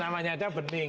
namanya ada bening